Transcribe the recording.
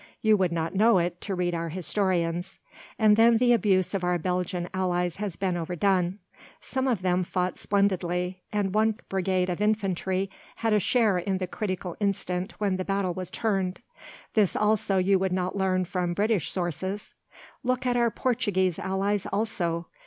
You would not know it, to read our historians. And then the abuse of our Belgian allies has been overdone. Some of them fought splendidly, and one brigade of infantry had a share in the critical instant when the battle was turned. This also you would not learn from British sources. Look at our Portuguese allies also!